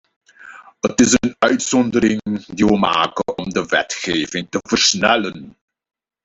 Het is een uitzondering, die we maken om de wetgeving te versnellen.